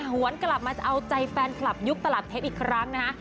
หวนกลับมาจะเอาใจแฟนคลับยุคตลับเทปอีกครั้งนะคะ